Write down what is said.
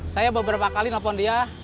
saya beberapa kali nelfon dia